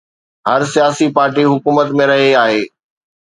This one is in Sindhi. هر سياسي پارٽي حڪومت ۾ رهي آهي.